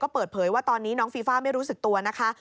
เปิดเผยว่าตอนนี้น้องฟีฟ่าไม่รู้สึกตัวนะคะ